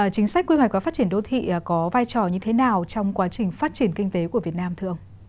chính sách quy hoạch và phát triển đô thị có vai trò như thế nào trong quá trình phát triển kinh tế của việt nam thưa ông